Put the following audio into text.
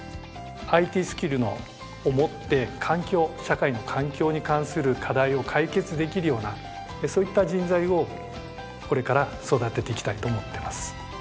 ＩＴスキルを持って環境社会の環境に関する課題を解決できるようなそういった人材をこれから育てていきたいと思ってます。